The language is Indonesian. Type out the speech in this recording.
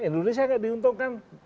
indonesia tidak diuntungkan